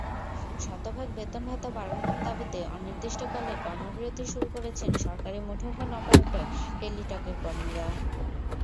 শতভাগ বেতন-ভাতা বাড়ানোর দাবিতে অনির্দিষ্টকালের কর্মবিরতি শুরু করেছেন সরকারি মুঠোফোন অপারেটর টেলিটকের কর্মীরা।